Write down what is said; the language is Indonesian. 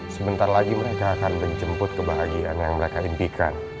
sebentar lagi mereka akan menjemput kebahagiaan yang mereka impikan